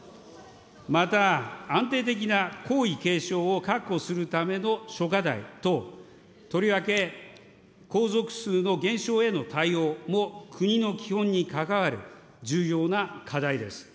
また、安定的な皇位継承を確保するための諸課題等、とりわけ、皇族数の減少への対応も国の基本に関わる重要な課題です。